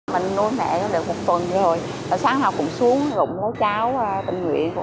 mình nuôi mẹ được một tuần rồi sáng nào cũng xuống gọng mua cháo bệnh viện của công an